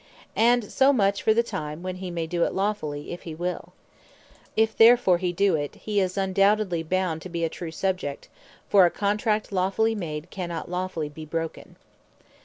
And so much for the Time when he may do it lawfully, if hee will. If therefore he doe it, he is undoubtedly bound to be a true Subject: For a Contract lawfully made, cannot lawfully be broken.